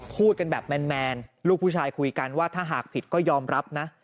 พูดกันแบบแมนลูกผู้ชายคุยกันว่าถ้าหากผิดก็ยอมรับนะ